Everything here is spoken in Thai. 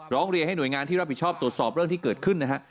ร้องเรียนให้หน่วยงานที่รับผิดชอบตรวจสอบเรื่องที่เกิดขึ้นนะฮะ